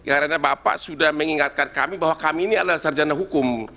karena bapak sudah mengingatkan kami bahwa kami ini adalah sarjana hukum